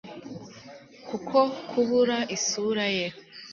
kuko kubura isura ye